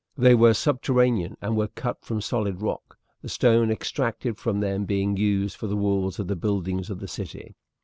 They were subterranean, and were cut from the solid rock, the stone extracted from them being used for the walls of the buildings of the city.